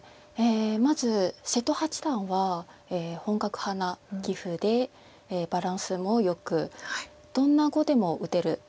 まず瀬戸八段は本格派な棋風でバランスもよくどんな碁でも打てるタイプだと思います。